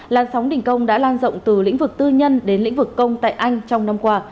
làn sóng đình công đã lan rộng từ lĩnh vực tư nhân đến lĩnh vực công tại anh trong năm qua